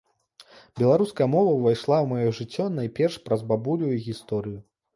Беларуская мова ўвайшла ў маё жыццё найперш праз бабулю і гісторыю.